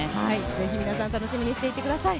是非皆さん楽しみにしてください。